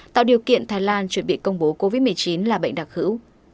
tạo điều kiện thái lan chuẩn bị công bố covid một mươi chín là bệnh đặc hữu